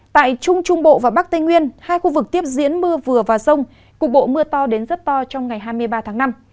tại trung trung bộ và bắc tây nguyên hai khu vực tiếp diễn mưa vừa và sông cục bộ mưa to đến rất to trong ngày hai mươi ba tháng năm